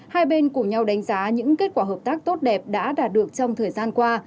hai bên cùng nhau đánh giá những kết quả hợp tác tốt đẹp đã đạt được trong thời gian qua